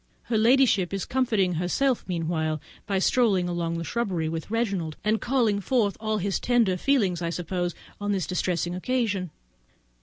Her ladyship is comforting herself meanwhile by strolling along the shrubbery with Reginald, calling forth all his tender feelings, I suppose, on this distressing occasion.